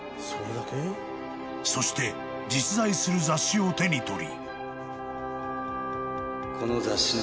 ［そして実在する雑誌を手に取り］